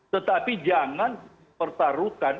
tetapi jangan pertaruhkan